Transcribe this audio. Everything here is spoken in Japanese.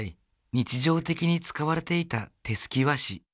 日常的に使われていた手すき和紙。